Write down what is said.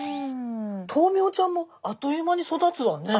豆苗ちゃんもあっという間に育つわね。